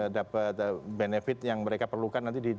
dapat benefit yang mereka perlukan nanti di dua ribu dua puluh empat